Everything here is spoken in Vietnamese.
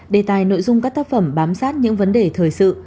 đề tài nội dung các tác phẩm bám sát những vấn đề thời sự